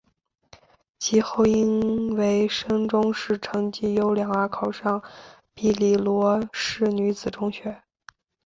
及后因为升中试成绩优良而考上庇理罗士女子中学。